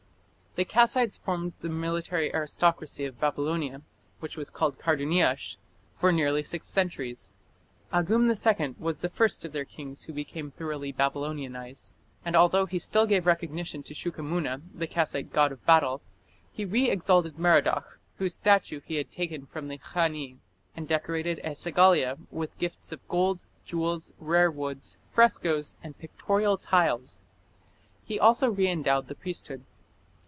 The Kassites formed the military aristocracy of Babylonia, which was called Karduniash, for nearly six centuries. Agum II was the first of their kings who became thoroughly Babylonianized, and although he still gave recognition to Shuqamuna, the Kassite god of battle, he re exalted Merodach, whose statue he had taken back from "Khani", and decorated E sagila with gifts of gold, jewels, rare woods, frescoes, and pictorial tiles; he also re endowed the priesthood.